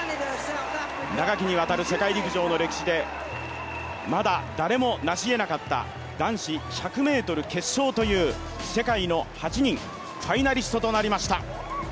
長きにわたる世界陸上の歴史でまだ誰もなしえなかった男子１００ｍ決勝という世界の８人、ファイナリストとなりました。